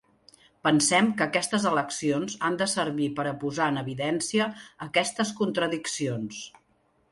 Pensem que aquestes eleccions han de servir per a posar en evidència aquestes contradiccions.